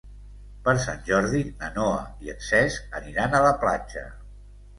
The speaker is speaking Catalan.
Per Sant Jordi na Noa i en Cesc aniran a la platja.